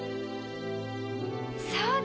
そうだ！